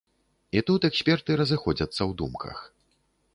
І тут эксперты разыходзяцца ў думках.